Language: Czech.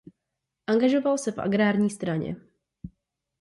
Angažoval se v agrární straně.